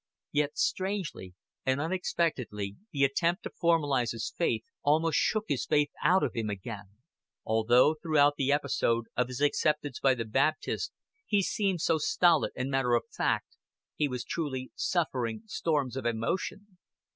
Yet strangely and unexpectedly the attempt to formalize his faith almost shook his faith out of him again. Although throughout the episode of his acceptance by the Baptists he seemed so stolid and matter of fact, he was truly suffering storms of emotion.